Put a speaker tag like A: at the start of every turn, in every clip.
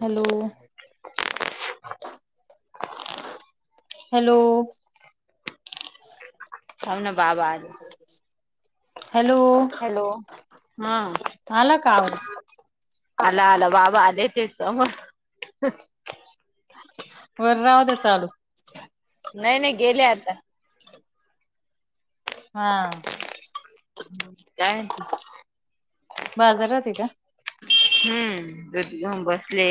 A: Hello. Hello.
B: थाम ना बाबा आले.
A: Hello
B: hello. हा
A: आला का आवाज?
B: आला आला बाबा आले होते समोर.
A: वर राहुद्या चालू.
B: नाही नाही गेले आता.
A: हा.
B: काय म्हणती?
A: बाजारात आहे का
B: हम्म दरी जाऊन बसले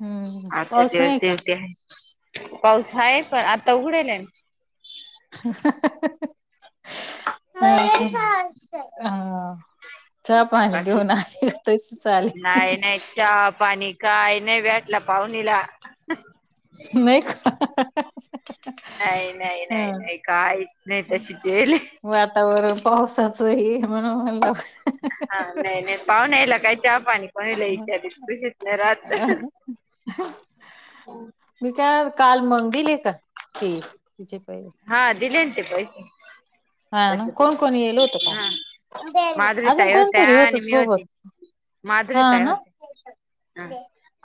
A: हम्म
B: अच्छा
A: पाऊस
B: दिवस
A: नाही का
B: दिवट्या आहे पाऊस आहे पण आता उघडेल आहे न.
A: ह. अ हा. च पाणी
B: बाकी
A: घेऊन आले तशी आले.
B: नाही नाही चहा पाणी काय नाही भेटला पाहुणीला.
A: नाही का?
B: काही नाही, नाही,
A: हा
B: नाही, नाही काहीच नाही तशीच येल आहे.
A: तोवर पावसाचही म्हणून म्हणलं
B: हा नाही नाही पाहुण्याला काही चहा पाणी प्यायलाइत दिवशी तशेच नाही राहात.
A: मी काय काल मग दीले का ते तिचे पै
B: हा दिले ना पैसे
A: ना
B: पैसे
A: कोण कोण येल होतं
B: दिले
A: काल
B: हा. माधुरु
A: अजून
B: ताई होत्या
A: कोणतरी होत
B: आणि मी
A: सोबत
B: होती. माधुरी
A: हा
B: ताई
A: ना
B: होत्या हम्म.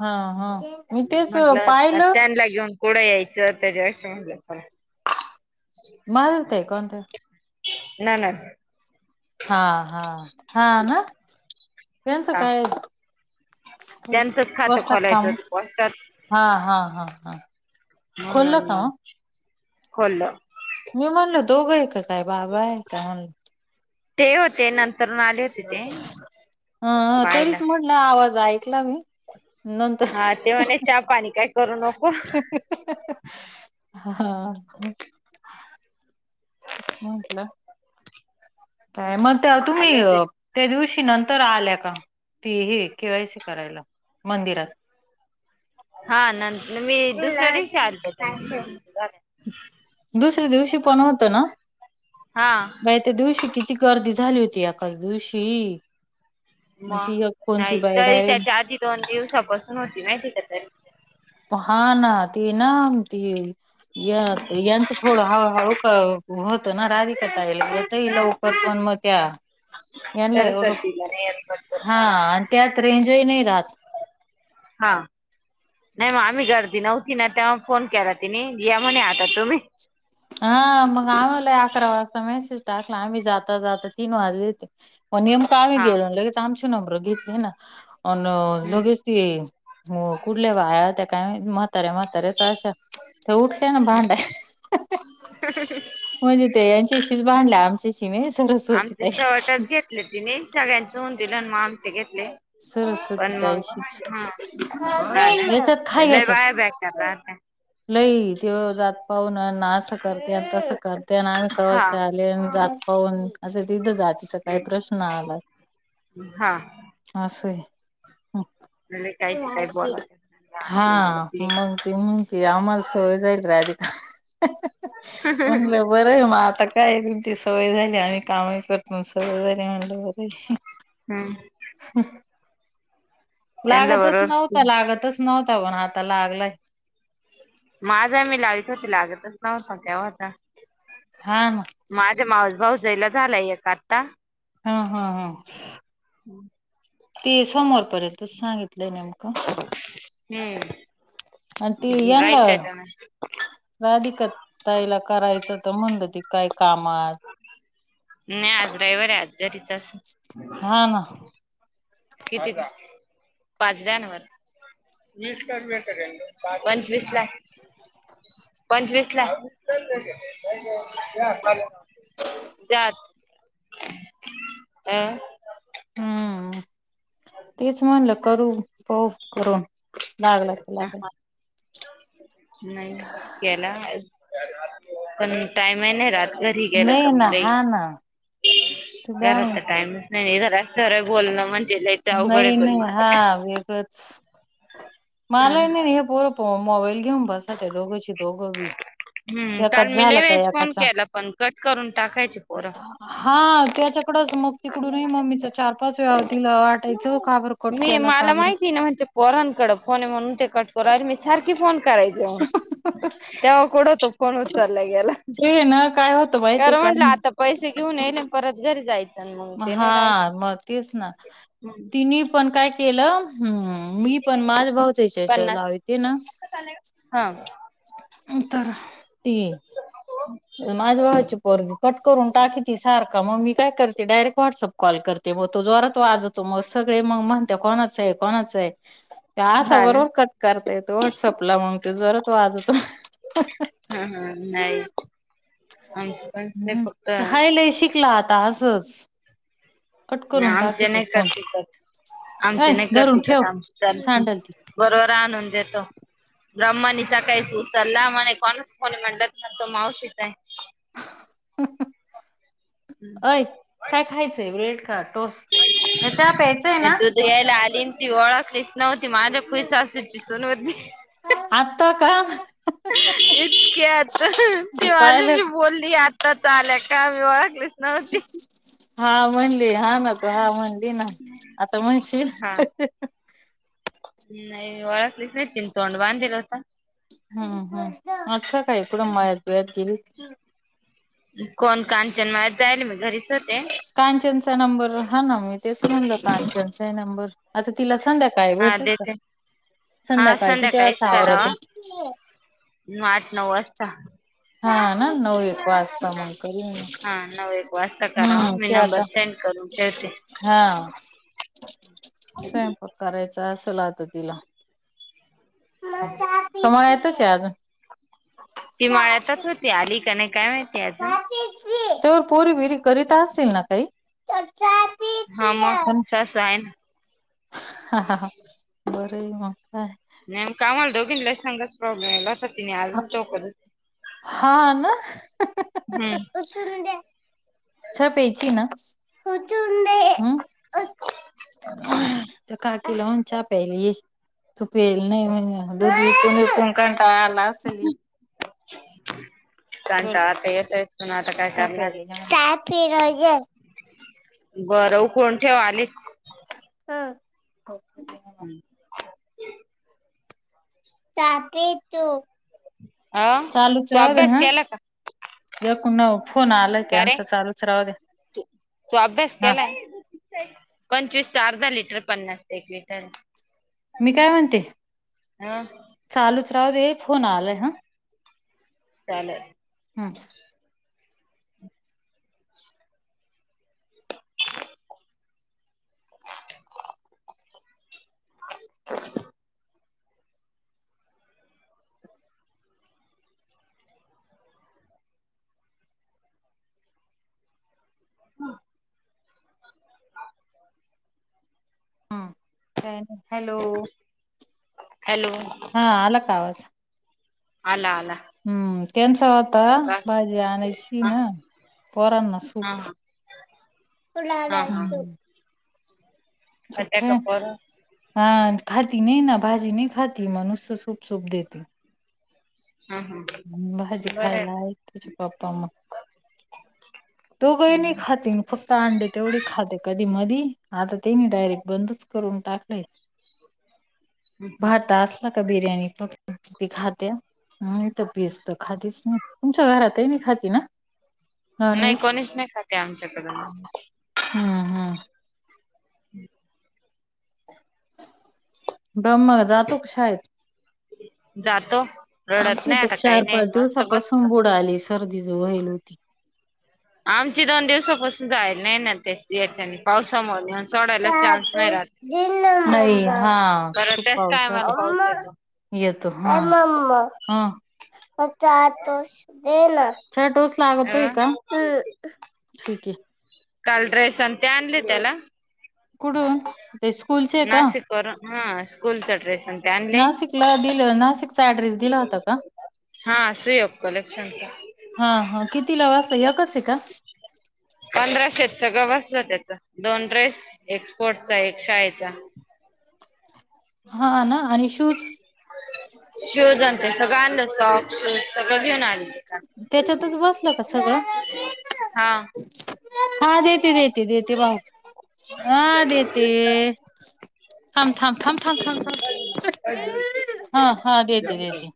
A: हा हा. मी तेच
B: म्हंटलं
A: पाहिलं
B: त्यांला घेऊन कुठं यायचं त्याच्या म्हटलं चला.
A: बघा ते कोणत.
B: ननंद
A: हा हा हा ना त्यांचं
B: हा
A: काय?
B: त्यांचंच खातं
A: पोस्टात
B: खोलायचं
A: काम
B: पोस्टात
A: हा हा हा हा
B: मग
A: खोललं
B: अन
A: का
B: मग खोलल.
A: दोघी हाय का काय बाबा हाय का म्हणल.
B: ते होते नंत
A: हा
B: पाहायला
A: तरीच म्हटले आवाज ऐकला मी. नंतर
B: हा ते म्हणे चहा, पाणी काय करू नको.
A: हा तेच म्हटलं. काय मग तुम्ही
B: आले होते
A: त्या दिवशी नंतर आल्या का ती केवायसी करायला मंदिरात?
B: हा नंतर मी दुसऱ्या दिवशी आले त्याच्या नंतर
A: दुसऱ्या दिवशी पण होत ना
B: हा
A: बाई त्या दिवशी किती गर्दी झाली होती एकाच दिवशी
B: मग
A: ती एक कोणची
B: नाही
A: बाई
B: तरी
A: डायरेक्ट
B: त्याच्या आधी दोन दिवसापासून होती माहिती आहे का तरी.
A: हा ना ते ना ती या यांचं थोडं हळूहळू होतं ना राधिका ताई ला लवकर पण मग त्या. यांला एवढं
B: सरस्वतीला रेअरपटला
A: हा आणि त्यात रेंजही नाही राहत.
B: हा. नाही मग आम्ही गर्दी नव्हती ना तेव्हा फोन केला तिनी म्हणे आता तुम्ही
A: हा मग आम्हाला अकरा वाजता मेसेज टाकला आम्ही जाता जाता तीन वाजले होते. मग नेमक आम्ही
B: हा
A: गेलो लगेच आमचे नंबर घेतले ना अन
B: हम्म
A: लगेच अ कुठल्या बाया होत्या काय माहित म्हाताऱ्या म्हाताऱ्याच अशा त्या उठल्या ना भांडया. म्हणजे ते यांच्याशीच भांडल्या आमच्याशी नाही. सरस्वती
B: आमचे
A: ताईशी
B: शर्टच घेतले तिने सगळ्यांच होऊन दिल आणि मग आमचे घेत
A: सरस्वती ताईशीच.
B: हा हा ना
A: याच्यात खाय
B: लय
A: हच्यात
B: बाया बेकार राहत्या
A: लई तेव जात. पाहूनन अस करत्यात तसं करत्यात आम्ही
B: हा
A: केव्हाच आल्यानं [unintelligible] पाऊन असं तिथं जातीचा काय
B: हम्म
A: प्रश्न आला.
B: हा
A: असंय.
B: लय कायच काय बोलावत्या
A: हा मग त म्हगती आम्हाला सवय झाली राधिका. म्हणलं बरं आहे म आता काय तुमची सवय झाली आम्ही कामही करतो अन् सवय झाली म्हणलं बरंय.
B: हम्म त्यांना
A: लागतच
B: बरोबर
A: नव्हता लागतच नव्ह [unintelligible] आता लागलाय.
B: माझा मी लावीत होते लागतच नव्हत केव्हाचा.
A: हा ना
B: माझा मावस भाऊजाईला झालाय एक आत्ता.
A: हं, हं, हं, ते समोर पर्यंतच सांगितलंय नेमकं.
B: हम्म.
A: आणि ते यांला
B: राहील काय त्यान
A: राधी ताईला करायच तर म्हणलं ती काय कामात.
B: नाही आज रविवार आहे आज घरीच असल.
A: हा ना
B: किती पाच द्या ना वर. वीस ला मिळत का? पंचवीस ला. पंचवीसला आहे. [unintelligible] [unintelligible]
A: हम्म तेच म्हणलं करू पाहू. करून लागलं तर लागल.
B: नाही केला पण टाईम ही नाही राहत. घरी गेलं
A: नाही
B: का म
A: ना
B: लई
A: हा ना तू काय
B: घरात
A: म्हण
B: तर टाईम नाही नाही जरा खर बोलण. [unintelligible]
A: नाही नाही हा वेगळच.
B: काय
A: मलाय नाही हे पोर मोबाईल घेऊन बसत्या दोघचे दोघ बी.
B: हम्म काल
A: एकाच
B: मी लई
A: झालं का
B: वेळेस फोन
A: याकाचा
B: केला पण कट करून टाकायचे पोरं
A: हा त्याच्या. तडच मग तिकडून मगमीच चार पाच वेळा तला
B: मी मला माहिती ना म्हणजे पोरांकड फोन आहे म्हणून ते कटकोराले मी सारखी फोन. करायचे तेव्हा कोडं तो कोण उ चालला गेला.
A: ते ना काय होतं माहिती
B: अर
A: का
B: म्हटलं आता पैसे घेऊन येले परत ग.
A: हा मग तेच ना तिने पण काय केलं. हम्म मी पण माझ भाऊचाच्याच्या
B: पन्नास
A: लावते ना.
B: हा
A: उ तरर ती. माझ्या भावाची पोगी कट करून टाककी त सारख मग मी काय करते डायरेक्ट व्हॉट्सअप. कॉल करते मग तो जवर तो आजवतो मग सगळे मग म्हणते कोणाच आहे कोणाच आहे. ते आ
B: हा ना
A: बरोबर कट करता येत व्हॉट्सअपला म्हण ते जरात वाजतो
B: ह नाही आमचे पण नाही
A: हम्
B: फक्त
A: हाय
B: नाही
A: लय शिकला आता असच
B: ना आमचे नाही करते करत आमची
A: अय
B: नाही
A: धरून
B: करत कट
A: ठेव
B: आमची चालखी
A: सांडल ती
B: बरोबर आणून देतो ब्रह्मी सकाळी सु सलाम आणि कोण कोणी मंडत मण तो मवश काय
A: हा अय काय खायचंय ब्रेड का? टोस्ट? हा चहा प्यायचा आहे
B: मी
A: ना?
B: दूध घ्यायला आली न ती ओळखलीच नव्हती माझ्या फुई सासूची सून होती.
A: आता का,
B: इतक्यात, ते
A: पाहिलं
B: माझ्याशी बोलली आताच आल्या का? मी ओळखली च ना नमस्ते,
A: हा म हा ना तू हा म्हणली ना. आता म्हणशील,
B: हम् नाही ओळखलीच नाही तीन तोंड बाधलेल होतं.
A: हम्म हम् अच्छा काय इकडं मळ्यात बिळ्यात गेली.
B: कोण कानचन मळ्यात जाईली मी घरीच होते
A: कांचनचा नंबर हा ना मी तेच म्हणल कांचनचा आहे. नंबर आता तिला, संध्याकाळी
B: हा
A: भेटल का?
B: देते. हा
A: संध्याकाळी किती
B: संध्याकाळीच
A: वाजता आवरत.
B: करावा आठ नऊ वाजता.
A: हा हा ना नऊ एक वाजता मग कर
B: हा नऊ एक वाजता करावा
A: हम्म
B: मी
A: क्या
B: नंबर
A: आता
B: सेंड करून ठेवते.
A: हा स्वयंपक करायच. असाल आता तिला. कमळ येतच आहे अजून.
B: ति माळ्यातच होती आली का नाही? काय माहितीय अजून.
A: टुर पोरी विरी करीता असतील ना ताई?
B: हा मगं सासू आहे ना.
A: बरं ते हा काय.
B: नाही. कामाला दोघी सांगाच प्रॉब्लेम आहेला आता,
A: हा ना
B: हम्म
A: चहा प्यायची ना? त्या काकीला म्हणाव चहा प्यायला ये. तूप येल नाही म्हणजे बसून बसून कंटाळ आला असेल. बोल
B: कंटाळा तर येतोच पण आता काय
A: चहा
B: करणार
A: प्यायला
B: आहे.
A: ये म्हण.
B: बरं फोन ठेव आलेच.
A: ह. तू
B: अ
A: चालूच
B: तू
A: राव दे
B: अभ्यास
A: हा.
B: केला का
A: एककू न फोन आलाय ते
B: का रे
A: यांच चालूच राहू दे.
B: पंचवीस च अर्धा लिटर, पन्नास एक लिटर.
A: मी काय म्हणते
B: ह
A: चालूच राहू दे फोन आलाय हा.
B: चालेल.
A: हम.
B: [inaudible] हम. हा.
A: हम्म काय नाही हॅलो.
B: हॅलो.
A: हा आला का आवाज?
B: आला आला.
A: हम्म त्यांचा तवा
B: बस
A: भाजी आणायची
B: हा
A: ना पोरांना
B: हा
A: सूप
B: हा
A: [inaudible] आला आला.
B: खात्यात का पोर
A: हा खाती नाही ना भाजी नाही खाती म नुसत सूप सूप देती
B: हा
A: भाजी खायला आहे तेच पप्पा मग तो काही नाही खाती फक्त अंडे तेवढी खाते कधी मधी आता तेनी डायरेक्ट बंदच करून टाकलेय [inaudible] भात असला का बिर्याणी [inaudible] ती खातीये पीस तर खातीच ना‌ तुमच्या घरात आहे मी खाती ना
B: नाही
A: नॉनव्हेज
B: कोणीस नाही खाते आमच्याकड नॉनव्हेज
A: हम्म- हम्म
B: हम्
A: [inaudible] ब्रह्मा जातो की शाळेत
B: जातो रडत
A: आमची
B: नाही
A: तर
B: आता काही
A: चार
B: नाही
A: पाच
B: मस्त बसत.
A: दिवसापासून बुडली सर्दी ज राहिली होती
B: आमची दोन दिवसापासून जायला नाही ना ते याच्या पावसामुळे ये
A: [inaudible] नाही हा
B: बरं
A: खूप
B: त्याच
A: पाऊस
B: टायमाला पाऊस येतो
A: येतो हम [inaudible] म का तो ना [unintelligible] छटोस
B: अ
A: लागतोय का ठीक आहे [inaudible]
B: काल ड्रेस आणि ते आणले त्याला
A: कुठून ते
B: [inaudible]
A: स्कूलचे का
B: नाशिक वरून हा स्कूलचा ड्रेस ते आणले.
A: [inaudible] नाशिक
B: [inaudible] सीएफ कलेक्शनचा
A: हा हा किती लाजता वाजता एकच आहे का
B: [inaudible] पंधराशेत सगळं बसलं त्याच दोन ड्रेस एक स्पोर्टचा एक शाळेचा
A: हा ना आणि शूज
B: [inaudible] शूज ते आणते सगळं आणलं सॉक्स सगळं घेऊन आलं
A: त्याच्यातच बसल का सगळं [inaudible]
B: हा
A: [inaudible] हा देती देती देेती बाळा [inaudible] हा देेत [inaudible] थांब थांब थां थांम थांब थ हा हा देते देते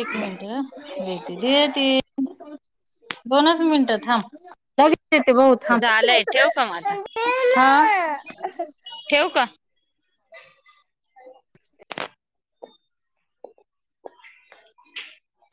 A: एक मिनट हा देती देती [inaudible] दोनच मिनटं थांब देती बाबा
B: झालंय ठेवू का म आता
A: थांब [inaudible]
B: ठेवू का?